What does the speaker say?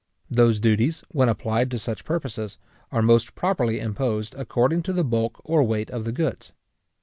Those duties, when applied to such purposes, are most properly imposed according to the bulk or weight of the goods.